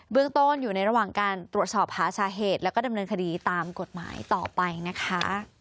เรื่องต้นอยู่ในระหว่างการตรวจสอบหาสาเหตุแล้วก็ดำเนินคดีตามกฎหมายต่อไปนะคะ